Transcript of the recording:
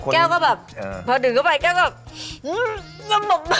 แก้วก็แบบพอดื่มเข้าไปแก้วแบบ